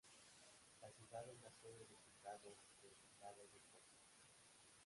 La ciudad es la sede de condado del Condado de Pope.